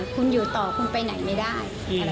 คุณอยู่ต่อคุณไปไหนไม่ได้